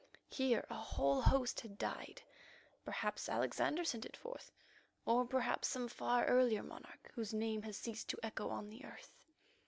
Here a whole host had died; perhaps Alexander sent it forth, or perhaps some far earlier monarch whose name has ceased to echo on the earth.